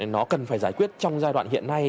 nó cần phải giải quyết trong giai đoạn hiện nay